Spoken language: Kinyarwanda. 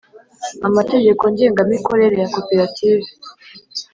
Amategeko ngengamikorere ya koperative